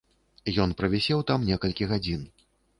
Ён правісеў там некалькі гадзін.